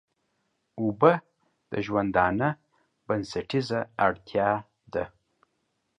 اوبه د ژوندانه بنسټيزه اړتيا ده.